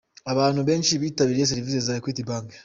Abantu benshi bitabiriye serivise za Equity Bank.